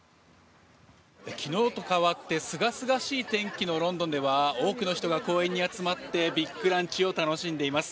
昨日と変わってすがすがしい天気のロンドンでは多くの人が公園に集まってビッグランチを楽しんでいます。